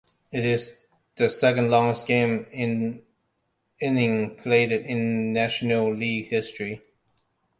It is the second longest game in innings played in National League history.